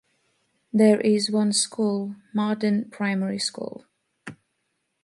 There is one school: Marden Primary School.